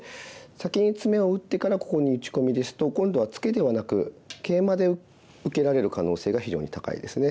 先にツメを打ってからここに打ち込みですと今度はツケではなくケイマで受けられる可能性が非常に高いですね。